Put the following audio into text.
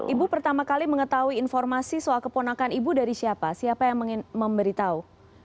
ibu pertama kali mengetahui informasi soal keponakan ibu dari siapa siapa yang memberitahu